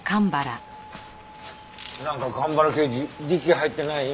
なんか蒲原刑事力入ってない？